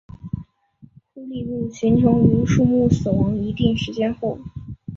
枯立木形成于树木死亡一定时间后。